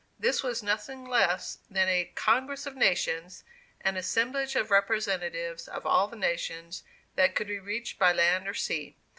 This was nothing less than a "Congress of Nations" an assemblage of representatives of all the nations that could be reached by land or sea.